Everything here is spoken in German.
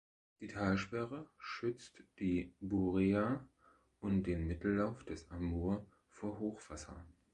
Die Talsperre schützt die Bureja und den Mittellauf des Amur vor Hochwasser.